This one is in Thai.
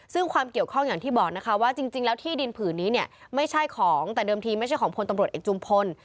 ซึ่งความเกี่ยวข้องอย่างที่บอกนะคะว่าจริงแล้วที่ดินผืนนี้เนี่ยไม่ใช่ของแต่เดิมทีไม่ใช่ของพลตำรวจเอกจุมพล